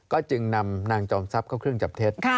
ก็จึงนำนางจอมทรัพย์เข้าเครื่องจับเท็จ